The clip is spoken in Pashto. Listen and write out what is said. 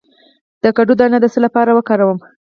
د کدو دانه د څه لپاره وکاروم؟